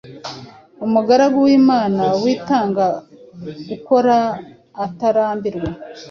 Umugaragu w’Imana witanga ukora atarambirwa,